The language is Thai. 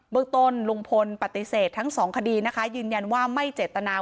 เมืองต้นลุงพลปฏิเสธทั้งสองคดีนะคะยืนยันว่าไม่เจตนา